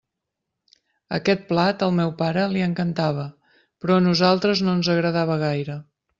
Aquest plat, al meu pare, li encantava, però a nosaltres no ens agradava gaire.